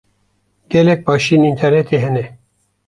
Gelek başiyên înternetê hene.